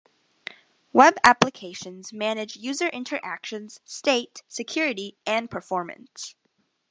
Web applications manage user interactions, state, security, and performance.